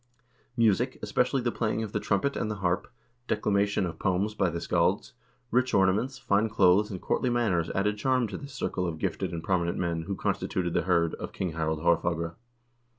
Music, especially the playing of the trumpet and the harp, declamation of poems by the scalds, rich ornaments, fine clothes, and courtly manners added charm to this circle of gifted and prominent men who constituted the hird of King Harald Haarfagre.